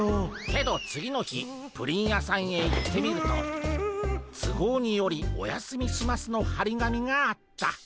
けど次の日プリン屋さんへ行ってみると「つごうによりお休みします」のはり紙があった。